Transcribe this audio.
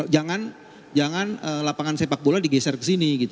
jangan lapangan sepak bola digeser ke sini